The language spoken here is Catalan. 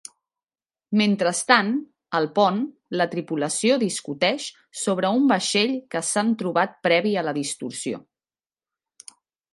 Mentrestant, al pont, la tripulació discuteix sobre un vaixell que s'han trobat previ a la distorsió.